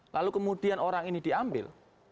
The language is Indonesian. lalu kemudian orang ini diambil